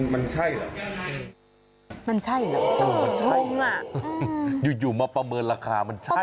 มันใช่หรือโอ้โฮมันใช่หรืออยู่มาประเมินราคามันใช่หรือ